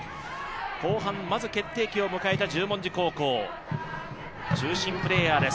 後半まず決定機を迎えた十文字高校、中心プレーヤーです